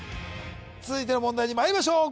続いての問題にまいりましょう